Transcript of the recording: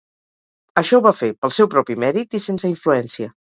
Això ho va fer pel seu propi mèrit i sense influència.